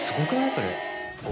それ。